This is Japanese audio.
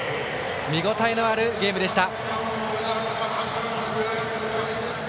見応えのあるゲームでした。